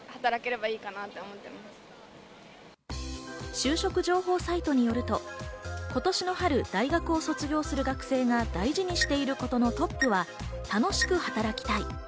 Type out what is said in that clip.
就職情報サイトによると、今年の春、大学を卒業する学生が大事にしていることのトップは、楽しく働きたい。